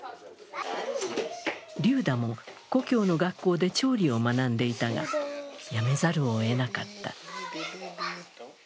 リューダも故郷の学校で調理を学んでいたが、辞めざるをえなかった。